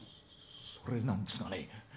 それなんですがね。